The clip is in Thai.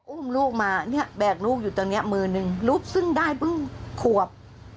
อุ้มลูกมาเนี่ยแบกลูกอยู่ตรงนี้มือนึงรูปซึ่งได้เพิ่งขวบ